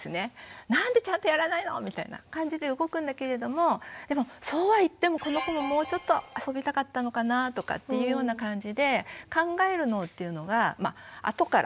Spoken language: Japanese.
「なんでちゃんとやらないの」みたいな感じで動くんだけれどもでもそうは言っても「この子ももうちょっと遊びたかったのかな」とかっていうような感じで考える脳っていうのが後から動いてくるらしいんですよね。